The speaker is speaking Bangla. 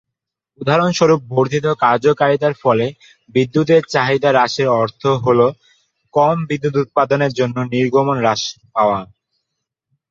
উদাহরণস্বরূপ, বর্ধিত কার্যকারিতার ফলে বিদ্যুতের চাহিদা হ্রাসের অর্থ হলো কম বিদ্যুৎ উৎপাদনের জন্য নির্গমন হ্রাস পাওয়া।